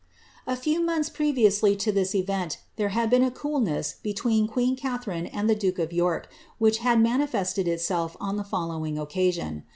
A few months previously to this event, there had been a coolness be tween queen Catharine and the duke of York, which had manifested itself on the following occasion.